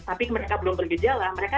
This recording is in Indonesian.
tapi mereka belum bergejala mereka